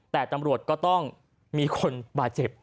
แต่ตำรวจก็ต้องมีคนบาดเจ็บ